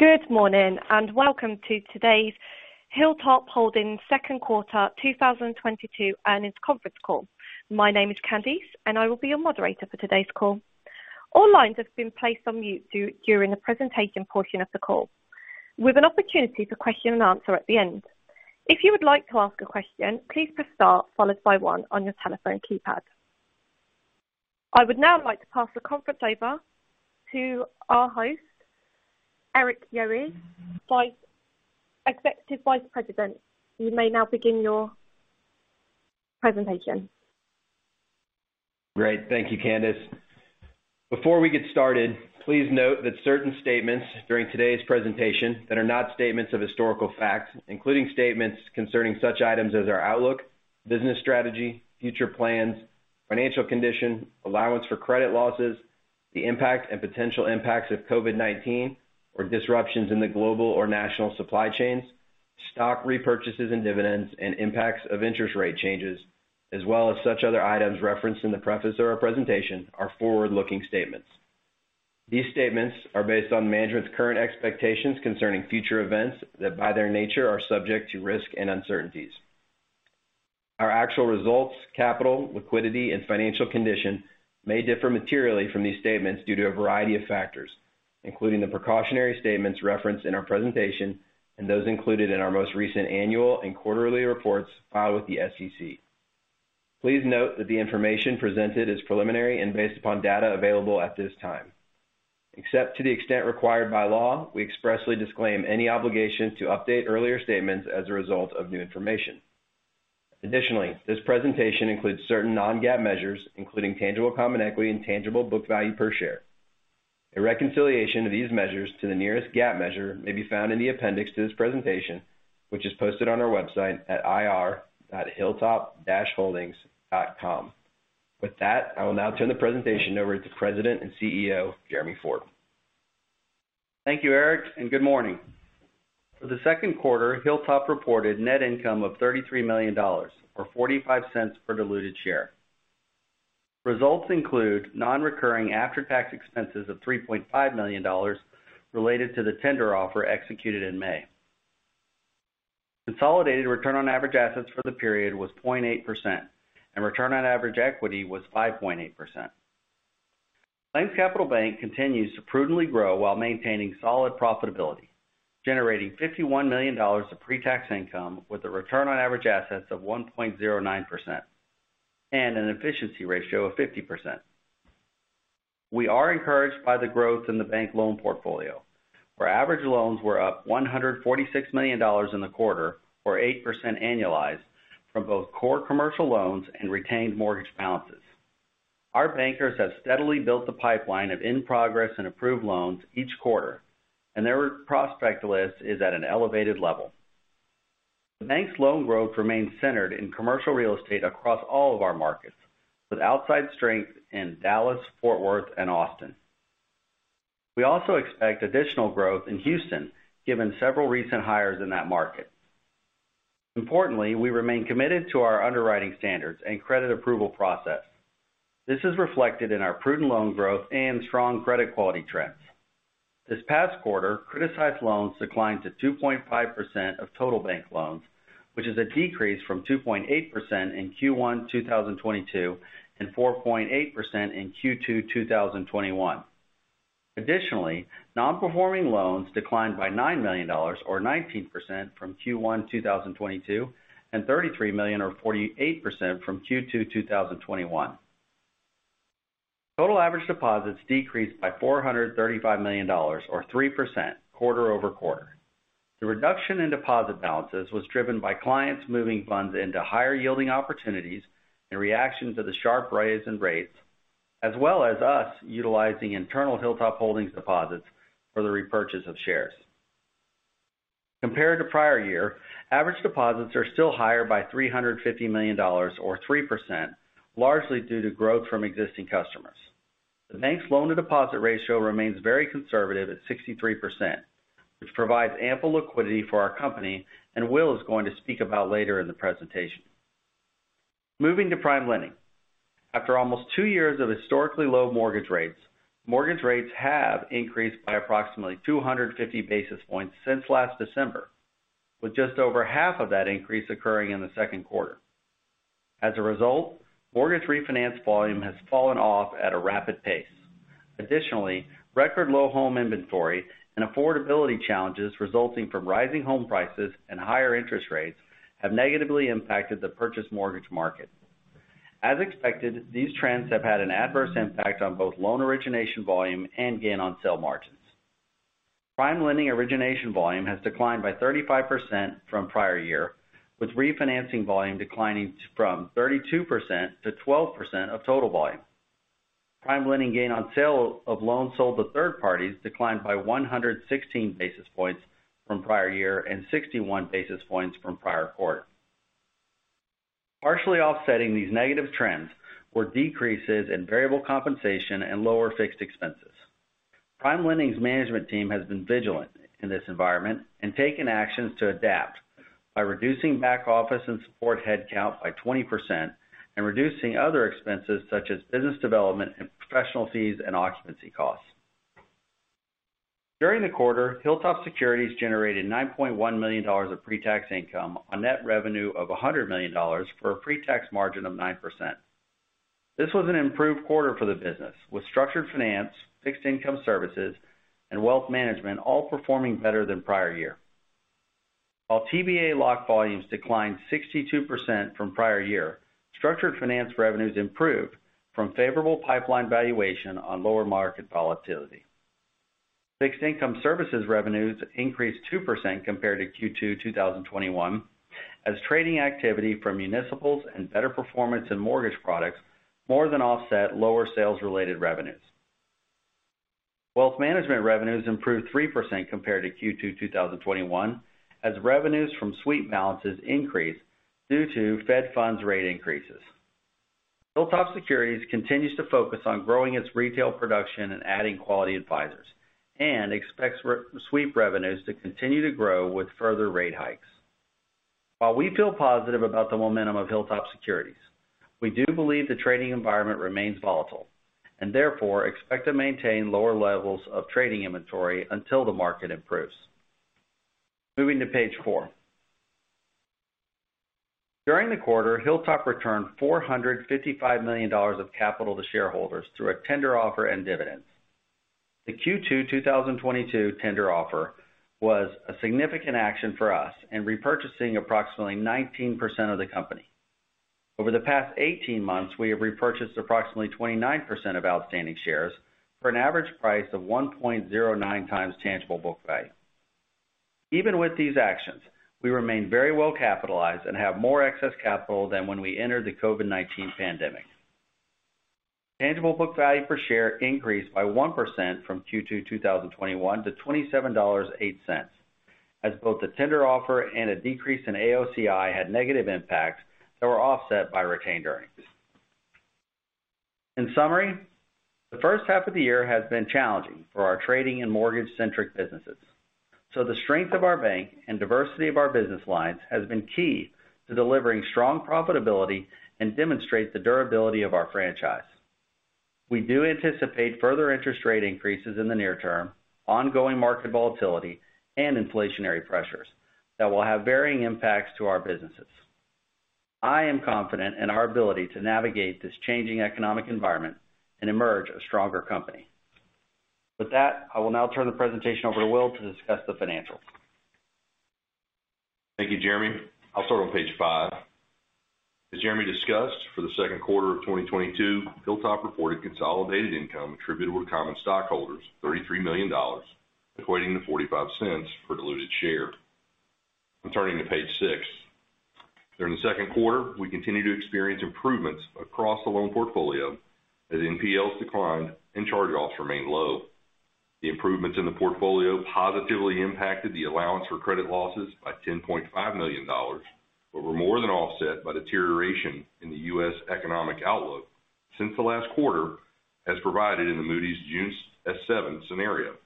Good morning, and welcome to today's Hilltop Holdings second quarter 2022 earnings conference call. My name is Candice, and I will be your moderator for today's call. All lines have been placed on mute during the presentation portion of the call, with an opportunity for question and answer at the end. If you would like to ask a question, please press Star followed by one on your telephone keypad. I would now like to pass the conference over to our host, Erik Yohe, Executive Vice President. You may now begin your presentation. Great. Thank you, Candice. Before we get started, please note that certain statements during today's presentation that are not statements of historical facts, including statements concerning such items as our outlook, business strategy, future plans, financial condition, allowance for credit losses, the impact and potential impacts of COVID-19, or disruptions in the global or national supply chains, stock repurchases and dividends, and impacts of interest rate changes, as well as such other items referenced in the preface of our presentation are forward-looking statements. These statements are based on management's current expectations concerning future events that by their nature are subject to risk and uncertainties. Our actual results, capital, liquidity, and financial condition may differ materially from these statements due to a variety of factors, including the precautionary statements referenced in our presentation and those included in our most recent annual and quarterly reports filed with the SEC. Please note that the information presented is preliminary and based upon data available at this time. Except to the extent required by law, we expressly disclaim any obligation to update earlier statements as a result of new information. Additionally, this presentation includes certain non-GAAP measures, including tangible common equity and tangible book value per share. A reconciliation of these measures to the nearest GAAP measure may be found in the appendix to this presentation, which is posted on our website at ir.hilltop-holdings.com. With that, I will now turn the presentation over to President and CEO, Jeremy Ford. Thank you, Erik, and good morning. For the second quarter, Hilltop reported net income of $33 million or $0.45 per diluted share. Results include non-recurring after-tax expenses of $3.5 million related to the tender offer executed in May. Consolidated return on average assets for the period was 0.8%, and return on average equity was 5.8%. PlainsCapital Bank continues to prudently grow while maintaining solid profitability, generating $51 million of pre-tax income with a return on average assets of 1.09% and an efficiency ratio of 50%. We are encouraged by the growth in the bank loan portfolio, where average loans were up $146 million in the quarter or 8% annualized from both core commercial loans and retained mortgage balances. Our bankers have steadily built the pipeline of in-progress and approved loans each quarter, and their prospect list is at an elevated level. The bank's loan growth remains centered in commercial real estate across all of our markets, with outside strength in Dallas, Fort Worth, and Austin. We also expect additional growth in Houston, given several recent hires in that market. Importantly, we remain committed to our underwriting standards and credit approval process. This is reflected in our prudent loan growth and strong credit quality trends. This past quarter, criticized loans declined to 2.5% of total bank loans, which is a decrease from 2.8% in Q1 2022, and 4.8% in Q2 2021. Additionally, non-performing loans declined by $9 million or 19% from Q1 2022, and $33 million or 48% from Q2 2021. Total average deposits decreased by $435 million or 3% quarter-over-quarter. The reduction in deposit balances was driven by clients moving funds into higher yielding opportunities in reaction to the sharp rise in rates, as well as us utilizing internal Hilltop Holdings deposits for the repurchase of shares. Compared to prior year, average deposits are still higher by $350 million or 3%, largely due to growth from existing customers. The bank's loan-to-deposit ratio remains very conservative at 63%, which provides ample liquidity for our company, and William is going to speak about later in the presentation. Moving to PrimeLending. After almost two years of historically low mortgage rates, mortgage rates have increased by approximately 250 basis points since last December, with just over half of that increase occurring in the second quarter. As a result, mortgage refinance volume has fallen off at a rapid pace. Additionally, record low home inventory and affordability challenges resulting from rising home prices and higher interest rates have negatively impacted the purchase mortgage market. As expected, these trends have had an adverse impact on both loan origination volume and gain on sale margins. PrimeLending origination volume has declined by 35% from prior year, with refinancing volume declining from 32% to 12% of total volume. PrimeLending gain on sale of loans sold to third parties declined by 116 basis points from prior year and 61 basis points from prior quarter. Partially offsetting these negative trends were decreases in variable compensation and lower fixed expenses. PrimeLending's management team has been vigilant in this environment and taken actions to adapt. By reducing back office and support headcount by 20% and reducing other expenses such as business development and professional fees and occupancy costs. During the quarter, Hilltop Securities generated $9.1 million of pre-tax income on net revenue of $100 million for a pre-tax margin of 9%. This was an improved quarter for the business, with structured finance, fixed income services, and wealth management all performing better than prior year. While TBA lock volumes declined 62% from prior year, structured finance revenues improved from favorable pipeline valuation on lower market volatility. Fixed income services revenues increased 2% compared to Q2 2021 as trading activity from municipals and better performance in mortgage products more than offset lower sales-related revenues. Wealth management revenues improved 3% compared to Q2 2021 as revenues from sweep balances increased due to Fed funds rate increases. Hilltop Securities continues to focus on growing its retail production and adding quality advisors and expects re-sweep revenues to continue to grow with further rate hikes. While we feel positive about the momentum of Hilltop Securities, we do believe the trading environment remains volatile and therefore expect to maintain lower levels of trading inventory until the market improves. Moving to page four. During the quarter, Hilltop returned $455 million of capital to shareholders through a tender offer and dividend. The Q2 2022 tender offer was a significant action for us in repurchasing approximately 19% of the company. Over the past 18 months, we have repurchased approximately 29% of outstanding shares for an average price of 1.09x tangible book value. Even with these actions, we remain very well capitalized and have more excess capital than when we entered the COVID-19 pandemic. Tangible book value per share increased by 1% from Q2 2021 to $27.08 as both the tender offer and a decrease in AOCI had negative impacts that were offset by retained earnings. In summary, the first half of the year has been challenging for our trading and mortgage-centric businesses. The strength of our bank and diversity of our business lines has been key to delivering strong profitability and demonstrate the durability of our franchise. We do anticipate further interest rate increases in the near term, ongoing market volatility, and inflationary pressures that will have varying impacts to our businesses. I am confident in our ability to navigate this changing economic environment and emerge a stronger company. With that, I will now turn the presentation over to William to discuss the financials. Thank you, Jeremy. I'll start on page five. As Jeremy discussed, for the second quarter of 2022, Hilltop reported consolidated income attributable to common stockholders, $33 million, equating to $0.45 per diluted share. I'm turning to page six. During the second quarter, we continued to experience improvements across the loan portfolio as NPLs declined and charge-offs remained low. The improvements in the portfolio positively impacted the allowance for credit losses by $10.5 million, but were more than offset by deterioration in the US economic outlook since the last quarter as provided in the Moody's June S7 scenario.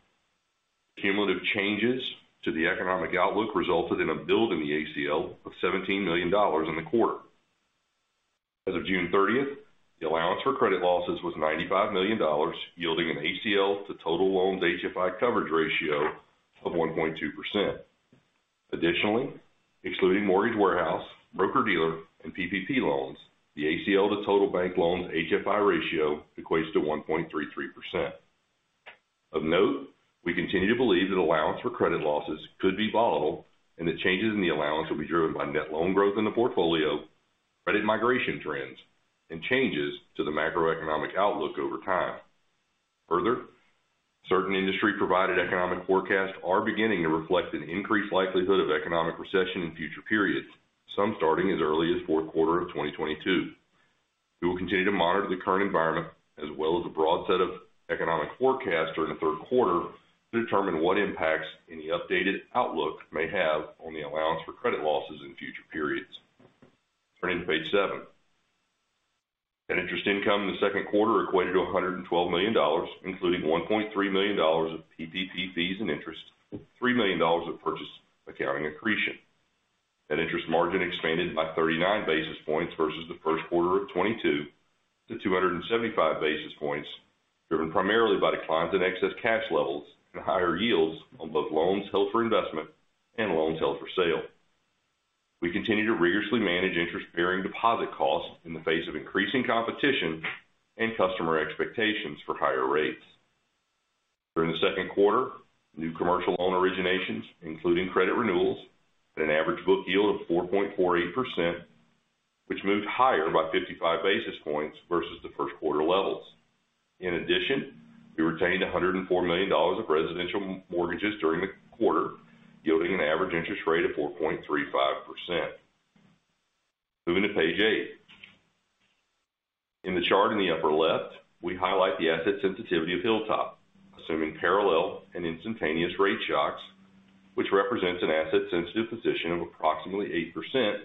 Cumulative changes to the economic outlook resulted in a build in the ACL of $17 million in the quarter. As of June 30th, the allowance for credit losses was $95 million, yielding an ACL to total loans HFI coverage ratio of 1.2%. Additionally, excluding mortgage warehouse, broker-dealer, and PPP loans, the ACL to total bank loans HFI ratio equates to 1.33%. Of note, we continue to believe that allowance for credit losses could be volatile and that changes in the allowance will be driven by net loan growth in the portfolio, credit migration trends, and changes to the macroeconomic outlook over time. Further, certain industry-provided economic forecasts are beginning to reflect an increased likelihood of economic recession in future periods, some starting as early as fourth quarter of 2022. We will continue to monitor the current environment as well as a broad set of economic forecasts during the third quarter to determine what impacts any updated outlook may have on the allowance for credit losses in future periods. Turning to page seven. Net interest income in the second quarter equated to $112 million, including $1.3 million of PPP fees and interest, $3 million of purchase accounting accretion. Net interest margin expanded by 39 basis points versus the first quarter of 2022 to 275 basis points, driven primarily by declines in excess cash levels and higher yields on both loans held for investment and loans held for sale. We continue to rigorously manage interest-bearing deposit costs in the face of increasing competition and customer expectations for higher rates. During the second quarter, new commercial loan originations, including credit renewals, had an average book yield of 4.48%, which moved higher by 55 basis points versus the first quarter levels. In addition, we retained $104 million of residential mortgages during the quarter, yielding an average interest rate of 4.35%. Moving to page eight. In the chart in the upper left, we highlight the asset sensitivity of Hilltop, assuming parallel and instantaneous rate shocks, which represents an asset-sensitive position of approximately 8%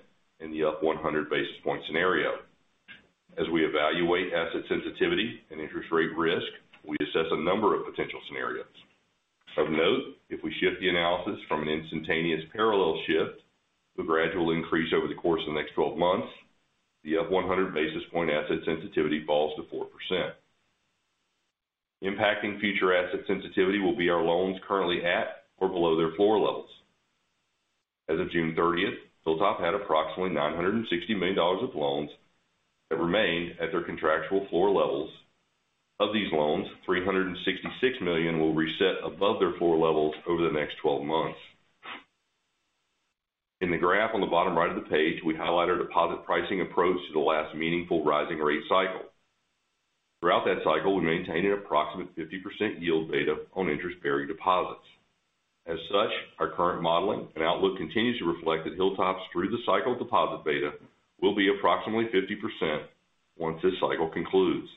in the up 100 basis point scenario. As we evaluate asset sensitivity and interest rate risk, we assess a number of potential scenarios. Of note, if we shift the analysis from an instantaneous parallel shift to a gradual increase over the course of the next 12 months, the up 100 basis point asset sensitivity falls to 4%. Impacting future asset sensitivity will be our loans currently at or below their floor levels. As of June 30th, Hilltop had approximately $960 million of loans that remained at their contractual floor levels. Of these loans, $366 million will reset above their floor levels over the next 12 months. In the graph on the bottom right of the page, we highlight our deposit pricing approach to the last meaningful rising rate cycle. Throughout that cycle, we maintained an approximate 50% yield beta on interest-bearing deposits. As such, our current modeling and outlook continues to reflect that Hilltop's through-the-cycle deposit beta will be approximately 50% once this cycle concludes.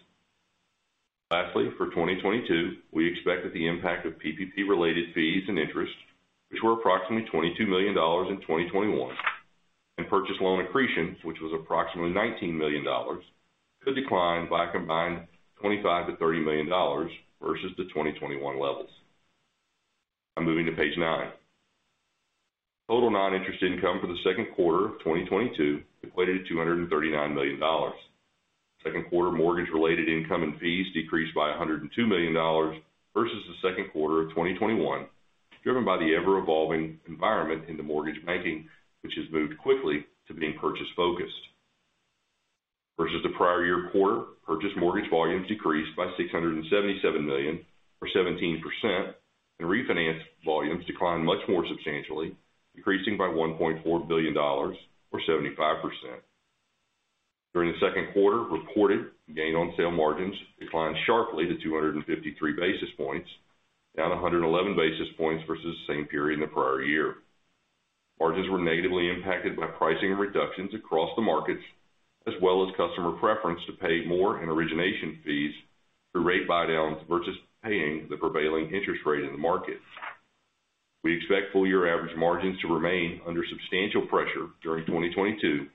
Lastly, for 2022, we expect that the impact of PPP related fees and interest, which were approximately $22 million in 2021, and purchase loan accretion, which was approximately $19 million, could decline by a combined $25 million-$30 million versus the 2021 levels. I'm moving to page nine. Total non-interest income for the second quarter of 2022 equated to $239 million. Second quarter mortgage-related income and fees decreased by $102 million versus the second quarter of 2021, driven by the ever-evolving environment in the mortgage banking, which has moved quickly to being purchase-focused. Versus the prior year quarter, purchase mortgage volumes decreased by $677 million, or 17%, and refinance volumes declined much more substantially, decreasing by $1.4 billion or 75%. During the second quarter, reported gain on sale margins declined sharply to 253 basis points, down 111 basis points versus the same period in the prior year. Margins were negatively impacted by pricing reductions across the markets, as well as customer preference to pay more in origination fees through rate buydowns versus paying the prevailing interest rate in the market. We expect full year average margins to remain under substantial pressure during 2022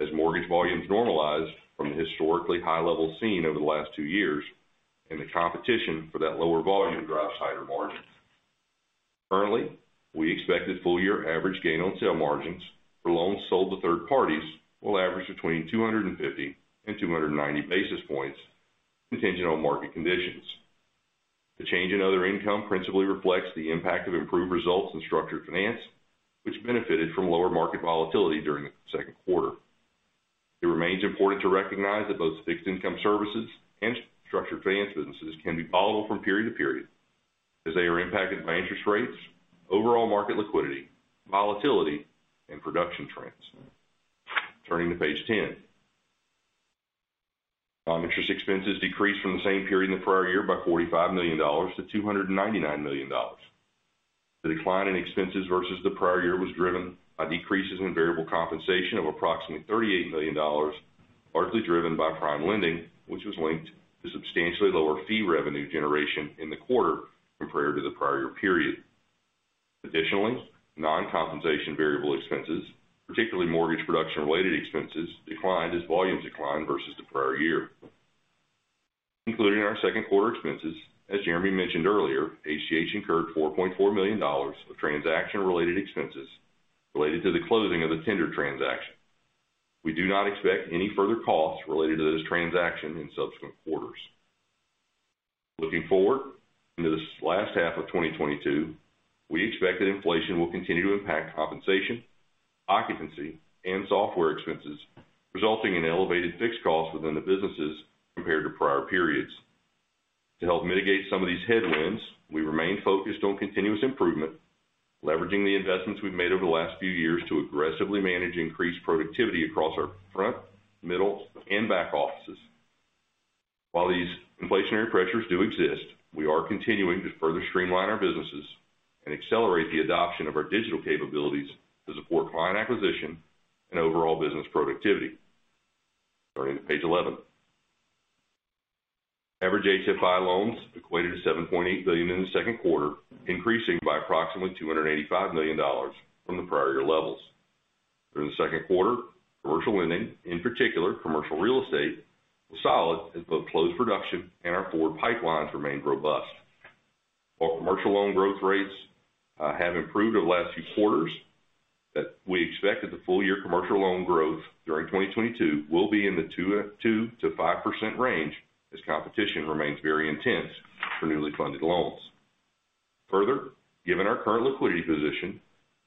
as mortgage volumes normalize from the historically high levels seen over the last two years and the competition for that lower volume drives tighter margins. Currently, we expect that full year average gain on sale margins for loans sold to third parties will average between 250 and 290 basis points contingent on market conditions. The change in other income principally reflects the impact of improved results in structured finance, which benefited from lower market volatility during the second quarter. It remains important to recognize that both fixed income services and structured finance businesses can be volatile from period to period as they are impacted by interest rates, overall market liquidity, volatility, and production trends. Turning to page 10. Non-interest expenses decreased from the same period in the prior year by $45 million- $299 million. The decline in expenses versus the prior year was driven by decreases in variable compensation of approximately $38 million, largely driven by PrimeLending, which was linked to substantially lower fee revenue generation in the quarter compared to the prior year period. Additionally, non-compensation variable expenses, particularly mortgage production related expenses, declined as volumes declined versus the prior year. Including our second quarter expenses, as Jeremy mentioned earlier, HTH incurred $4.4 million of transaction related expenses related to the closing of the tender transaction. We do not expect any further costs related to this transaction in subsequent quarters. Looking forward into this last half of 2022, we expect that inflation will continue to impact compensation, occupancy, and software expenses, resulting in elevated fixed costs within the businesses compared to prior periods. To help mitigate some of these headwinds, we remain focused on continuous improvement, leveraging the investments we've made over the last few years to aggressively manage increased productivity across our front, middle, and back offices. While these inflationary pressures do exist, we are continuing to further streamline our businesses and accelerate the adoption of our digital capabilities to support client acquisition and overall business productivity. Turning to page 11. Average HFI loans equated to $7.8 billion in the second quarter, increasing by approximately $285 million from the prior year levels. During the second quarter, commercial lending, in particular commercial real estate, was solid as both closed production and our forward pipelines remained robust. While commercial loan growth rates have improved over the last few quarters, we expect that the full year commercial loan growth during 2022 will be in the 2%-5% range as competition remains very intense for newly funded loans. Further, given our current liquidity position,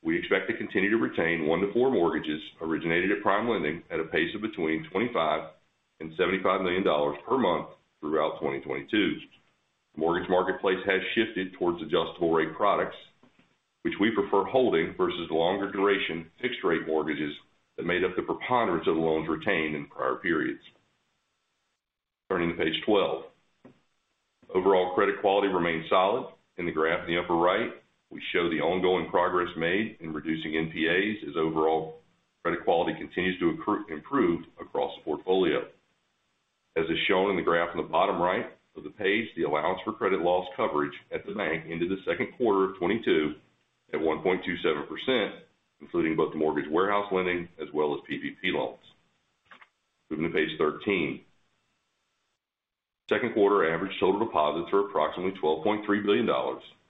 we expect to continue to retain one-four mortgages originated at PrimeLending at a pace of between $25 million and $75 million per month throughout 2022. Mortgage marketplace has shifted towards adjustable rate products, which we prefer holding versus longer duration fixed rate mortgages that made up the preponderance of the loans retained in prior periods. Turning to page 12. Overall credit quality remains solid. In the graph in the upper right, we show the ongoing progress made in reducing NPAs as overall credit quality continues to improve across the portfolio. As is shown in the graph in the bottom right of the page, the allowance for credit loss coverage at the bank in the second quarter of 2022 at 1.27%, including both the mortgage warehouse lending as well as PPP loans. Moving to page 13. Second quarter average total deposits are approximately $12.3 billion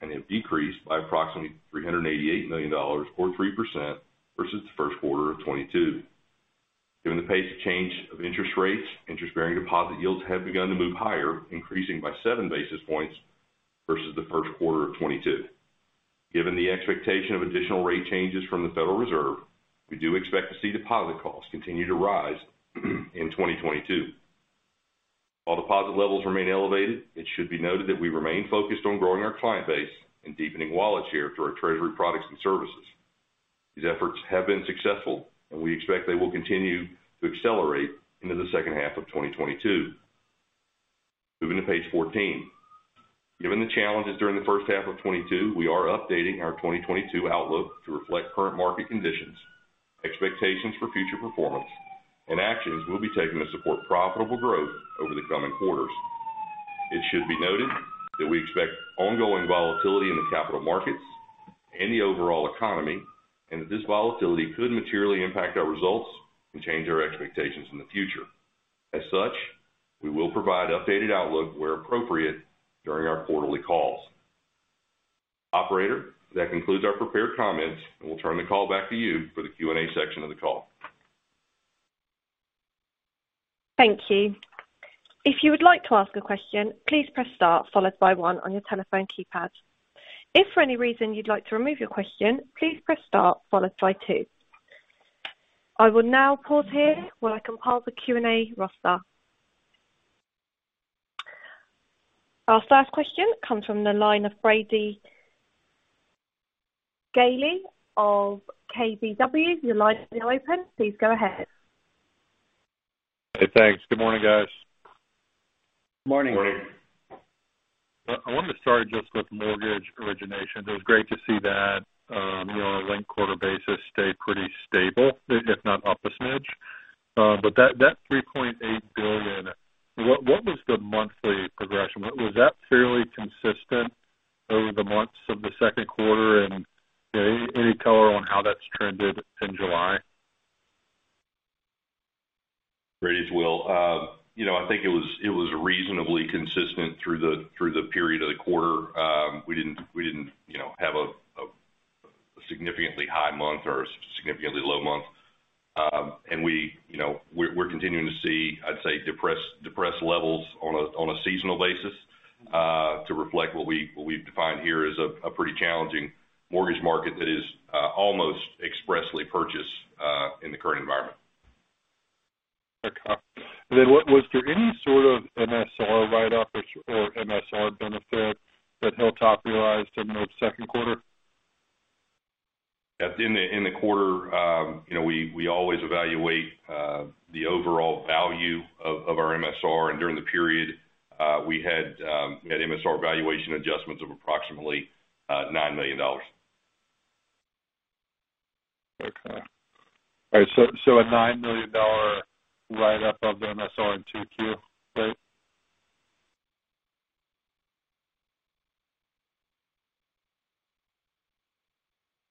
and have decreased by approximately $388 million or 3% versus the first quarter of 2022. Given the pace of change of interest rates, interest-bearing deposit yields have begun to move higher, increasing by 7 basis points versus the first quarter of 2022. Given the expectation of additional rate changes from the Federal Reserve, we do expect to see deposit costs continue to rise in 2022. While deposit levels remain elevated, it should be noted that we remain focused on growing our client base and deepening wallet share through our treasury products and services. These efforts have been successful, and we expect they will continue to accelerate into the second half of 2022. Moving to page 14. Given the challenges during the first half of 2022, we are updating our 2022 outlook to reflect current market conditions, expectations for future performance, and actions we'll be taking to support profitable growth over the coming quarters. It should be noted that we expect ongoing volatility in the capital markets and the overall economy, and that this volatility could materially impact our results and change our expectations in the future. As such, we will provide updated outlook where appropriate during our quarterly calls. Operator, that concludes our prepared comments, and we'll turn the call back to you for the Q&A section of the call. Thank you. If you would like to ask a question, please press star followed by one on your telephone keypad. If for any reason you'd like to remove your question, please press star followed by two. I will now pause here while I compile the Q&A roster. Our first question comes from the line of Brady Gailey of KBW. Your line is now open. Please go ahead. Hey, thanks. Good morning, guys. Morning. Morning. I wanted to start just with mortgage origination. It was great to see that, you know, on a linked quarter basis stay pretty stable, if not up a smidge. That $3.8 billion, what was the monthly progression? Was that fairly consistent over the months of the second quarter and, you know, any color on how that's trended in July? Brady Gailey, it's William Furr. You know, I think it was reasonably consistent through the period of the quarter. We didn't, you know, have a significantly high month or a significantly low month. We, you know, we're continuing to see, I'd say depressed levels on a seasonal basis to reflect what we've defined here as a pretty challenging mortgage market that is almost expressly purchase in the current environment. Okay. Was there any sort of MSR write-up or MSR benefit that Hilltop realized in the second quarter? In the quarter, you know, we always evaluate the overall value of our MSR. During the period, we had MSR valuation adjustments of approximately $9 million. Okay. All right, so a $9 million write-up of the MSR in 2Q, right?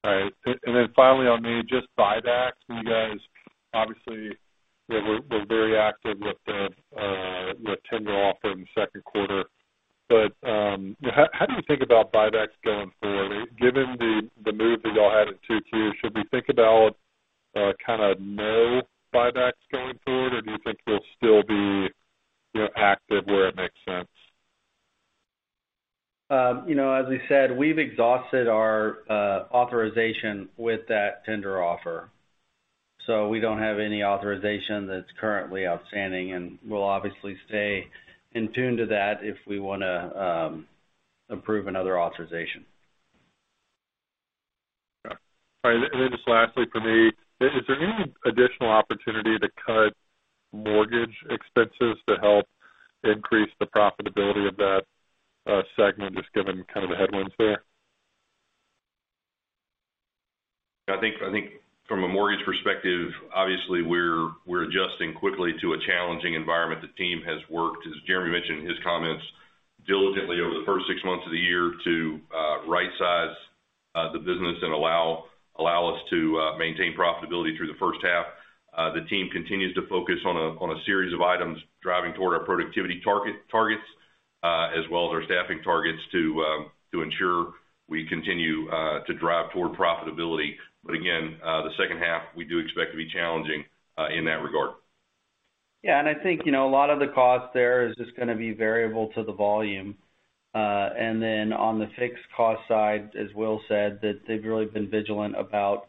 All right. And then finally on just buybacks. You guys, obviously, you know, were very active with the tender offer in the second quarter. How do you think about buybacks going forward? Given the move that y'all had in 2Q, should we think about kind of no buybacks going forward? Or do you think we'll still be, you know, active where it makes sense? You know, as we said, we've exhausted our authorization with that tender offer. We don't have any authorization that's currently outstanding, and we'll obviously stay in tune to that if we wanna approve another authorization. Just lastly for me, is there any additional opportunity to cut mortgage expenses to help increase the profitability of that segment, just given kind of the headwinds there? I think from a mortgage perspective, obviously we're adjusting quickly to a challenging environment. The team has worked, as Jeremy mentioned in his comments, diligently over the first six months of the year to rightsize the business and allow us to maintain profitability through the first half. The team continues to focus on a series of items driving toward our productivity targets, as well as our staffing targets to ensure we continue to drive toward profitability. Again, the second half we do expect to be challenging in that regard. Yeah, I think, you know, a lot of the cost there is just gonna be variable to the volume. On the fixed cost side, as William said, that they've really been vigilant about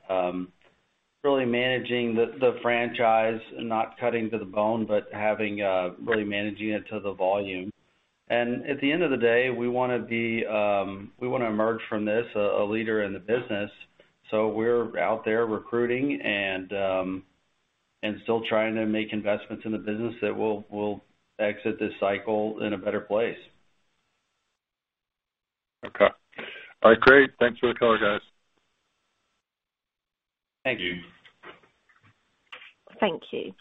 really managing the franchise and not cutting to the bone, but having really managing it to the volume. At the end of the day, we wanna emerge from this a leader in the business. We're out there recruiting and still trying to make investments in the business that we'll exit this cycle in a better place. Okay. All right, great. Thanks for the color, guys. Thank you. Thank you.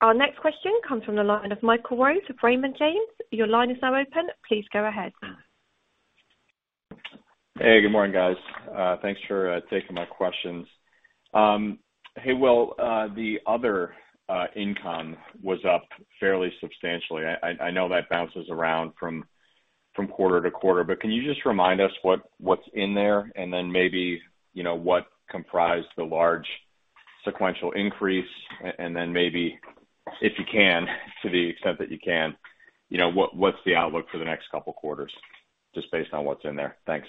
Our next question comes from the line of Michael Rose of Raymond James. Your line is now open. Please go ahead. Hey, good morning, guys. Thanks for taking my questions. Hey, William, the other income was up fairly substantially. I know that bounces around from quarter to quarter, but can you just remind us what's in there, and then maybe, you know, what comprised the large sequential increase, and then maybe if you can, to the extent that you can, you know, what's the outlook for the next couple quarters just based on what's in there? Thanks.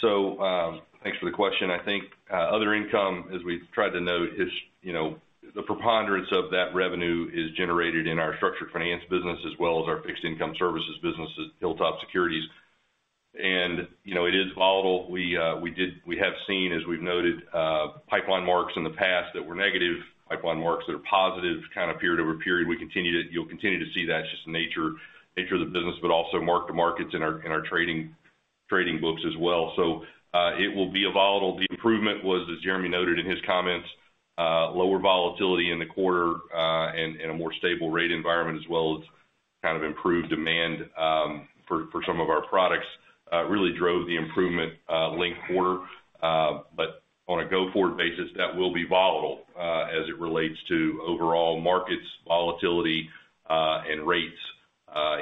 Thanks for the question. I think, other income, as we've tried to note, is, you know, the preponderance of that revenue is generated in our structured finance business as well as our fixed income services businesses, Hilltop Securities. You know, it is volatile. We have seen, as we've noted, pipeline marks in the past that were negative, pipeline marks that are positive kind of period over period. You'll continue to see that, just the nature of the business, but also mark to markets in our trading books as well. It will be a volatile. The improvement was, as Jeremy noted in his comments, lower volatility in the quarter, and a more stable rate environment, as well as kind of improved demand for some of our products, really drove the improvement, linked quarter. On a go-forward basis, that will be volatile, as it relates to overall markets volatility, and rates,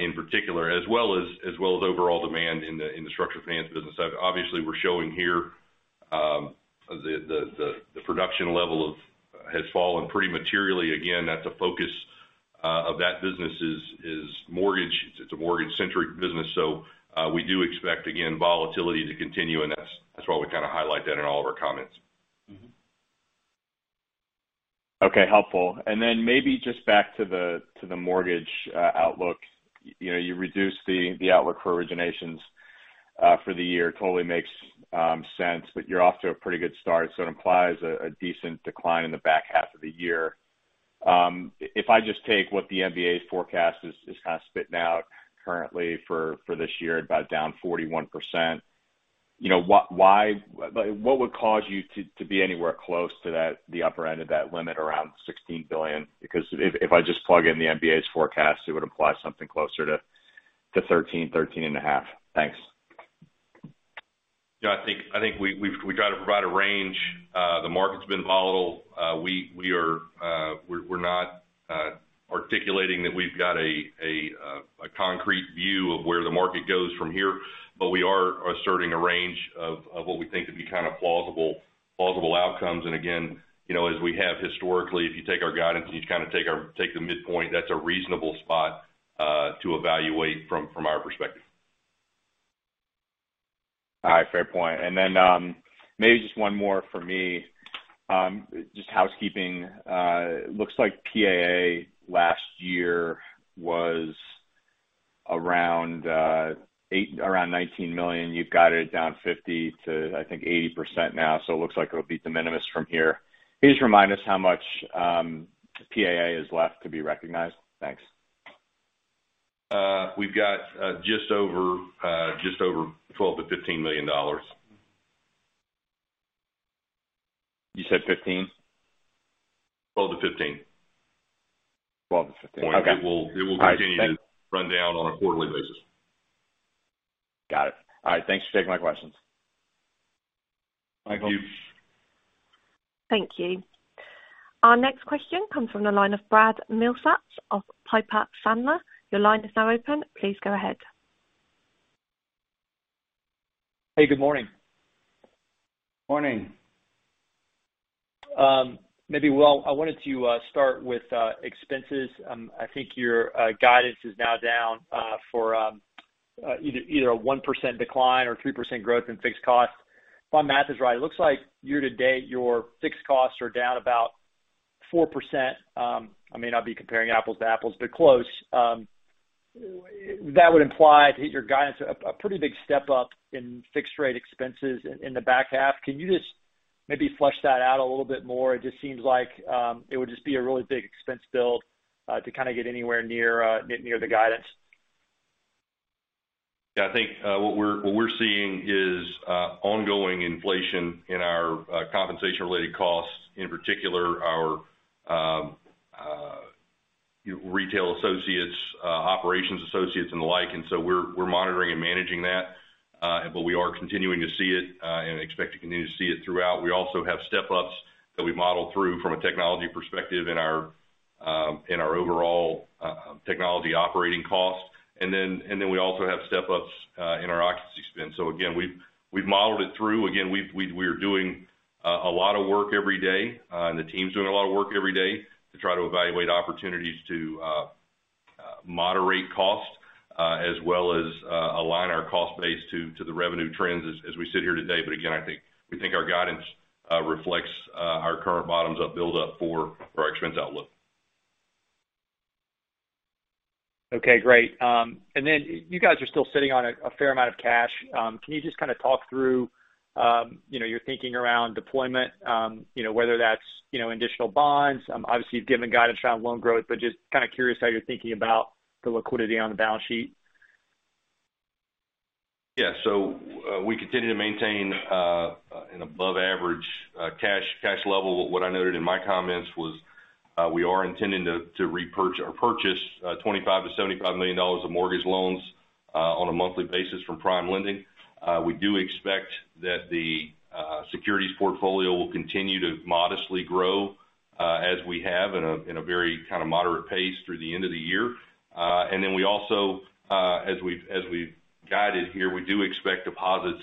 in particular, as well as overall demand in the structured finance business side. Obviously, we're showing here the production level has fallen pretty materially. Again, that's a focus of that business is mortgage. It's a mortgage-centric business, so we do expect, again, volatility to continue, and that's why we kind of highlight that in all of our comments. Okay, helpful. Then maybe just back to the mortgage outlook. You know, you reduced the outlook for originations for the year. Totally makes sense, but you're off to a pretty good start, so it implies a decent decline in the back half of the year. If I just take what the MBA's forecast is kind of spitting out currently for this year, about down 41%, you know, what would cause you to be anywhere close to the upper end of that limit around $16 billion? Because if I just plug in the MBA's forecast, it would imply something closer to $13 billion- $13.5 billion. Thanks. Yeah, I think we try to provide a range. The market's been volatile. We're not articulating that we've got a concrete view of where the market goes from here, but we are asserting a range of what we think to be kind of plausible outcomes. Again, you know, as we have historically, if you take our guidance and you kind of take the midpoint, that's a reasonable spot to evaluate from our perspective. All right, fair point. Then, maybe just one more from me. Just housekeeping. Looks like PAA last year was around $19 million. You've got it down 50%-80% now. It looks like it'll be de minimis from here. Can you just remind us how much PAA is left to be recognized? Thanks. We've got just over $12 million-$15 million. You said $15 million? $12 million - $15 million. $12 million - $15 million. Okay. It will- All right. It will continue to run down on a quarterly basis. Got it. All right. Thanks for taking my questions. Thank you. Thank you. Our next question comes from the line of Brad Milsaps of Piper Sandler. Your line is now open. Please go ahead. Hey, good morning. Morning. Maybe, Will, I wanted to start with expenses. I think your guidance is now down for either a 1% decline or 3% growth in fixed costs. If my math is right, it looks like year to date, your fixed costs are down about 4%. I may not be comparing apples to apples, but close. That would imply to hit your guidance a pretty big step-up in fixed expenses in the back half. Can you just maybe flesh that out a little bit more? It just seems like it would just be a really big expense build to kind of get anywhere near the guidance. Yeah, I think what we're seeing is ongoing inflation in our compensation-related costs, in particular our retail associates, operations associates and the like. We're monitoring and managing that, but we are continuing to see it and expect to continue to see it throughout. We also have step-ups that we model through from a technology perspective in our overall technology operating costs. We also have step-ups in our occupancy spend. Again, we've modeled it through. Again, we're doing a lot of work every day, and the team's doing a lot of work every day to try to evaluate opportunities to moderate costs, as well as align our cost base to the revenue trends as we sit here today. Again, we think our guidance reflects our current bottoms-up build up for our expense outlook. Okay, great. You guys are still sitting on a fair amount of cash. Can you just kind of talk through you know, your thinking around deployment? You know, whether that's you know, additional bonds, obviously you've given guidance around loan growth, but just kind of curious how you're thinking about the liquidity on the balance sheet? Yeah. We continue to maintain an above average cash level. What I noted in my comments was, we are intending to repurchase or purchase $25 million-$75 million of mortgage loans on a monthly basis from PrimeLending. We do expect that the securities portfolio will continue to modestly grow as we have in a very kind of moderate pace through the end of the year. We also, as we've guided here, do expect deposits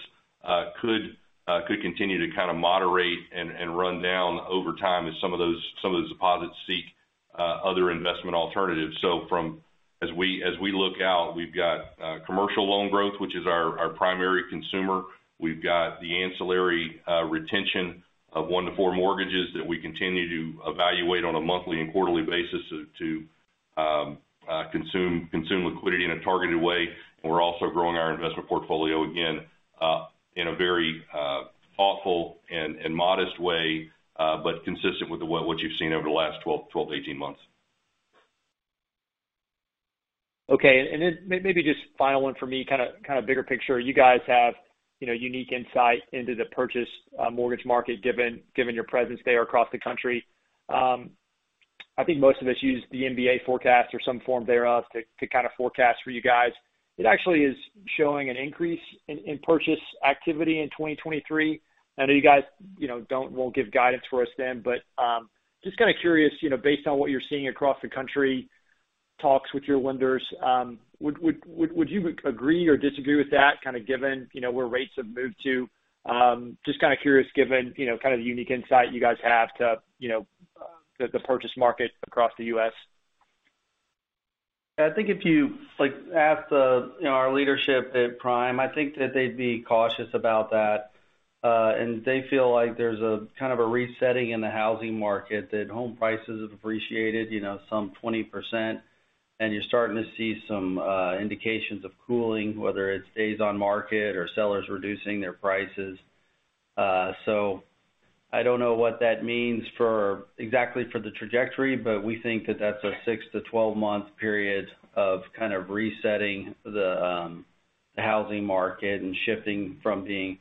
could continue to kind of moderate and run down over time as some of those deposits seek other investment alternatives. From as we look out, we've got commercial loan growth, which is our primary consumer. We've got the ancillary retention of one-four mortgages that we continue to evaluate on a monthly and quarterly basis to consume liquidity in a targeted way. We're also growing our investment portfolio again in a very thoughtful and modest way but consistent with what you've seen over the last 12-18 months. Okay. Maybe just final one for me, kind of bigger picture. You guys have, you know, unique insight into the purchase mortgage market, given your presence there across the country. I think most of us use the MBA forecast or some form thereof to kind of forecast for you guys. It actually is showing an increase in purchase activity in 2023. I know you guys, you know, won't give guidance for us then. Just kind of curious, you know, based on what you're seeing across the country, talks with your lenders, would you agree or disagree with that, kind of given, you know, where rates have moved to? Just kind of curious, given, you know, kind of the unique insight you guys have to, you know, the purchase market across the U.S. I think if you, like, ask the, you know, our leadership at PrimeLending, I think that they'd be cautious about that. They feel like there's a kind of a resetting in the housing market, that home prices have appreciated, you know, some 20%, and you're starting to see some indications of cooling, whether it's days on market or sellers reducing their prices. I don't know what that means for exactly for the trajectory, but we think that that's a six- to 12-month period of kind of resetting the housing market and shifting from being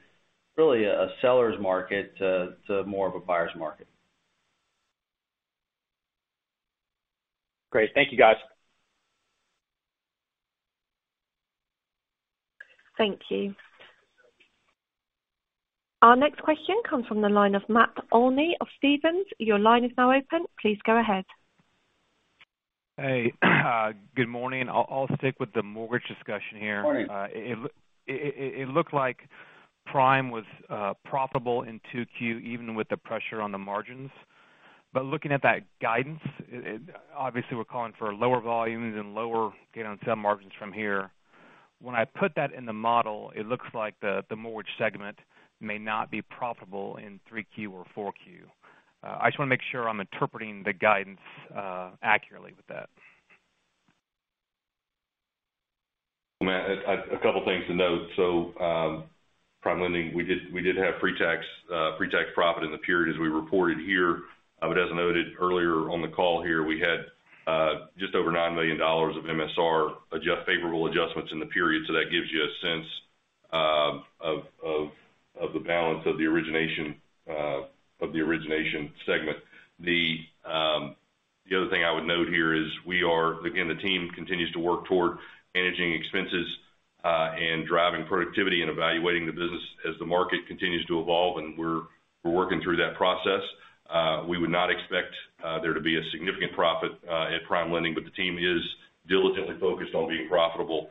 really a seller's market to more of a buyer's market. Great. Thank you, guys. Thank you. Our next question comes from the line of Matt Olney of Stephens. Your line is now open. Please go ahead. Hey, good morning. I'll stick with the mortgage discussion here. All right. It looked like Prime was profitable in 2Q, even with the pressure on the margins. Looking at that guidance, obviously, we're calling for lower volumes and lower, you know, sale margins from here. When I put that in the model, it looks like the mortgage segment may not be profitable in 3Q or 4Q. I just want to make sure I'm interpreting the guidance accurately with that. Matt, a couple things to note. PrimeLending, we did have pre-tax profit in the period as we reported here. As noted earlier on the call here, we had just over $9 million of MSR favorable adjustments in the period. That gives you a sense of the balance of the origination segment. The other thing I would note here is we are again, the team continues to work toward managing expenses and driving productivity and evaluating the business as the market continues to evolve, and we're working through that process. We would not expect there to be a significant profit at PrimeLending, but the team is diligently focused on being profitable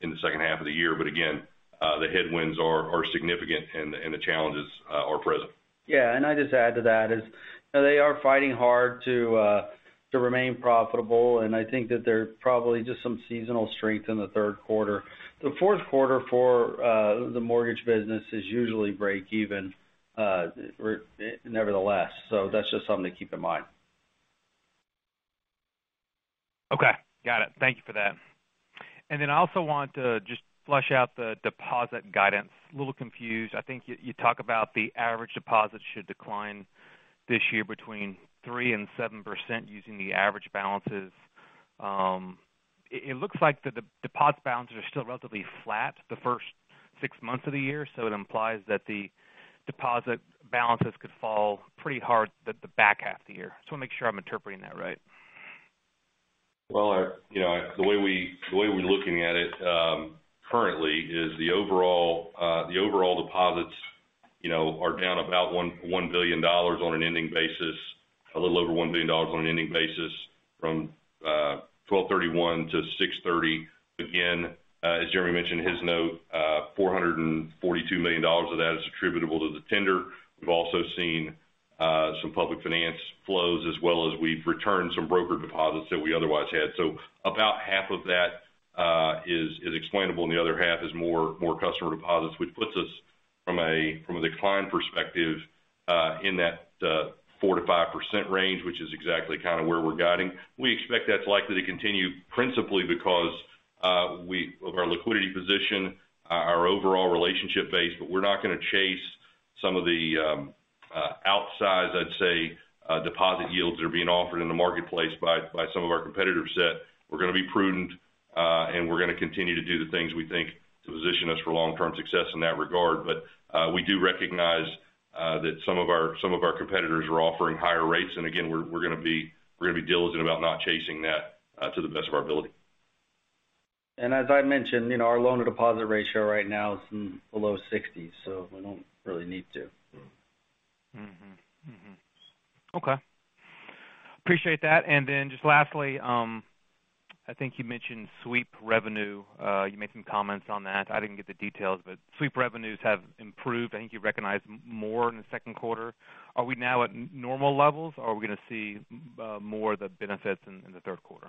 in the second half of the year. Again, the headwinds are significant and the challenges are present. Yeah. I'd just add to that is, you know, they are fighting hard to remain profitable, and I think that there's probably just some seasonal strength in the third quarter. The fourth quarter for the mortgage business is usually break even, nevertheless. That's just something to keep in mind. Okay. Got it. Thank you for that. I also want to just flesh out the deposit guidance. A little confused. I think you talk about the average deposit should decline this year between 3% and 7% using the average balances. It looks like the deposit balances are still relatively flat the first six months of the year, so it implies that the deposit balances could fall pretty hard the back half of the year. Just wanna make sure I'm interpreting that right. Well, you know, the way we're looking at it currently is the overall deposits, you know, are down about $1 billion on an ending basis, a little over $1 billion on an ending basis from December 31 - June 30. Again, as Jeremy mentioned in his note, $442 million of that is attributable to the tender. We've also seen some public finance flows, as well as we've returned some broker deposits that we otherwise had. So about half of that is explainable, and the other half is more customer deposits, which puts us from a decline perspective in that 4%-5% range, which is exactly kind of where we're guiding. We expect that's likely to continue principally because of our liquidity position, our overall relationship base, but we're not gonna chase some of the outsized, I'd say, deposit yields that are being offered in the marketplace by some of our competitors. We're gonna be prudent, and we're gonna continue to do the things we think to position us for long-term success in that regard. We do recognize that some of our competitors are offering higher rates. Again, we're gonna be diligent about not chasing that to the best of our ability. As I mentioned, you know, our loan to deposit ratio right now is below 60, so we don't really need to. Mm-hmm. Mm-hmm. Okay. Appreciate that. Just lastly, I think you mentioned sweep revenue. You made some comments on that. I didn't get the details, but sweep revenues have improved. I think you recognized more in the second quarter. Are we now at normal levels, or are we gonna see more of the benefits in the third quarter?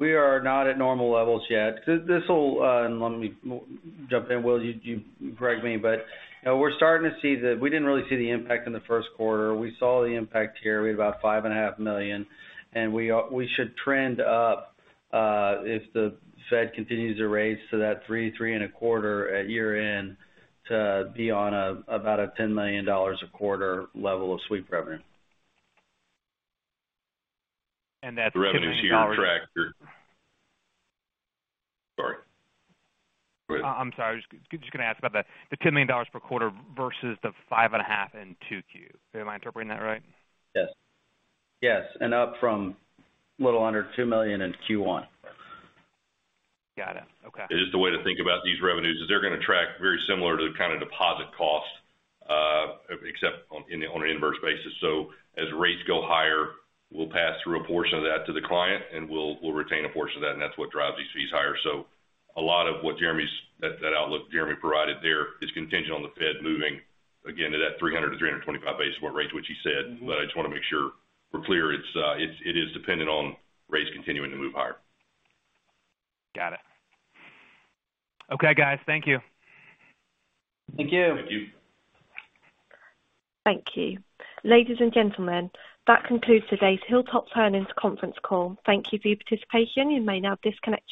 We are not at normal levels yet. This will, and let me jump in, Will. You correct me, but you know, we're starting to see the impact. We didn't really see the impact in the first quarter. We saw the impact here. We had about $5.5 million, and we should trend up if the Fed continues to raise to that 3%-3.25% at year-end to be on about a $10 million a quarter level of sweep revenue. That's. Sorry. Go ahead. I'm sorry. I was just gonna ask about the $10 million per quarter versus the $5.5 million in 2Q. Am I interpreting that right? Yes. Up from a little under $2 million in Q1. Got it. Okay. Just the way to think about these revenues is they're gonna track very similar to the kind of deposit costs, except on an inverse basis. As rates go higher, we'll pass through a portion of that to the client, and we'll retain a portion of that, and that's what drives these fees higher. A lot of what that outlook Jeremy provided there is contingent on the Fed moving again to that 300-325 basis point rates, which he said. I just wanna make sure we're clear. It is dependent on rates continuing to move higher. Got it. Okay, guys. Thank you. Thank you. Thank you. Thank you. Ladies and gentlemen, that concludes today's Hilltop Holdings conference call. Thank you for your participation. You may now disconnect your lines.